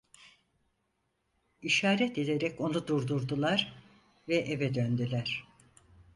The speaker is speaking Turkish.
İşaret ederek onu durdurdular ve eve döndüler.